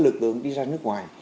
lực lượng đi ra nước ngoài